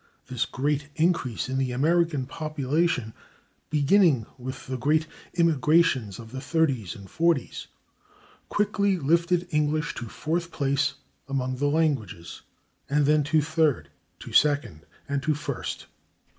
This great increase in the American population, beginning with the great immigrations of the 30's and 40's, quickly lifted English to fourth place among the languages, and then to third, to second and to first.